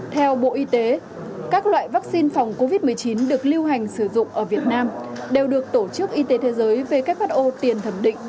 theo bộ y tế các loại vaccine phòng covid một mươi chín được lưu hành sử dụng ở việt nam đều được tổ chức y tế thế giới who tiền thẩm định